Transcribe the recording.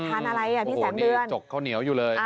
อะไรอ่ะพี่แสนเดือนจกข้าวเหนียวอยู่เลย